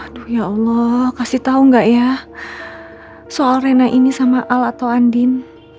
aduh ya allah kasih tahu nggak ya soal rena ini sama al atau andin